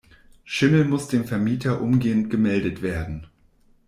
Schimmel muss dem Vermieter umgehend gemeldet werden.